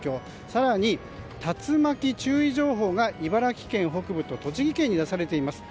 更に、竜巻注意情報が茨城県北部と栃木県に出されています。